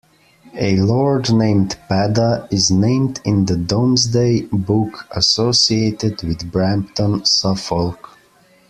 A lord named Padda is named in the Domesday Book, associated with Brampton, Suffolk.